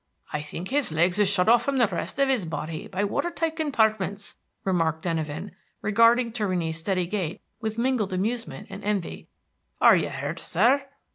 "I think his legs is shut off from the rest of his body by water tight compartments," remarked Denyven, regarding Torrini's steady gait with mingled amusement and envy. "Are you hurt, sir?"